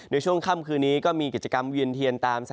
ในช่วงค่ำคืนนี้ก็มีกิจกรรมเวียนเทียนตาม